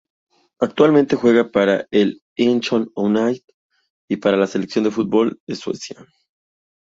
Actualmente juega para el Incheon United y para la selección de fútbol de Suecia.